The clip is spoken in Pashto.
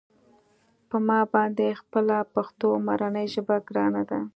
په ما باندې خپله پښتو مورنۍ ژبه ګرانه ده.